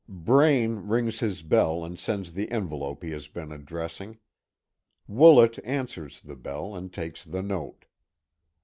Braine rings his bell and sends the envelope he has been addressing. Woolet answers the bell and takes the note.